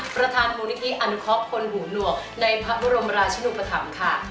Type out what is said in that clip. ประธานบุญที่อนุคอบคนหูหนวกในพระรมราชนุปธรรมค่ะ